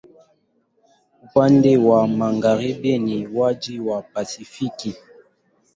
Upande wa magharibi ni maji wa Pasifiki.